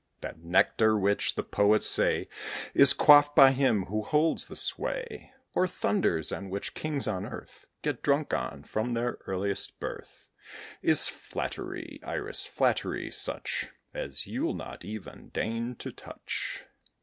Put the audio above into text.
That nectar which, the poets say, Is quaffed by him who holds the sway O'er thunders, and which kings on earth Get drunk on, from their earliest birth, Is flattery, Iris, flattery such As you 'll not even deign to touch.